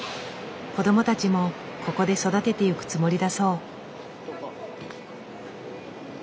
子供たちもここで育てていくつもりだそう。